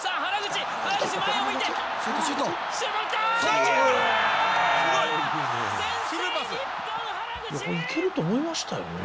いけると思いましたよね。